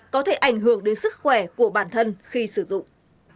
có thể ảnh hưởng đến sức khỏe của bản thân khi sử dụng